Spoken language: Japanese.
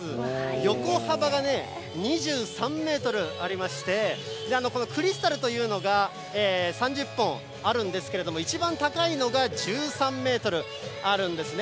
横幅が２３メートルありまして、このクリスタルというのが、３０本あるんですけれども、一番高いのが１３メートルあるんですね。